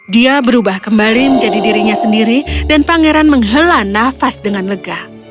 dia berubah kembali menjadi dirinya sendiri dan pangeran menghela nafas dengan lega